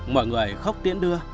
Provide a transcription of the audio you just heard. mọi người khóc tiễn đưa